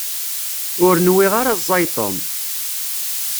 Ur nwiɣ ara ẓẓay Tom.